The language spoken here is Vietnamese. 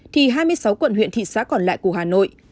thì hai mươi sáu quận huyện thị xã còn lại của hà nội